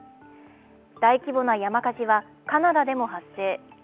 大規模な山火事はカナダでも発生。